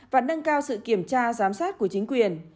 và nâng cao sự kiểm tra giám sát của chính quyền